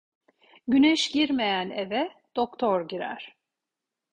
Güneş girmeyen eve doktor girer.